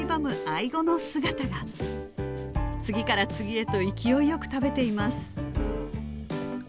アイゴの姿が次から次へと勢いよく食べています